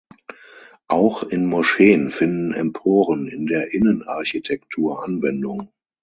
Auch in Moscheen finden Emporen in der Innenarchitektur Anwendung.